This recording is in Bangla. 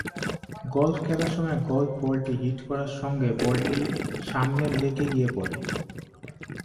গলফ খেলার সময় গলফ বলটি হিট করার সঙ্গে বলটি সামনের লেকে গিয়ে পড়ে।